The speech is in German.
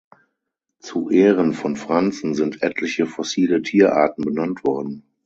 Zu Ehren von Franzen sind etliche fossile Tierarten benannt worden.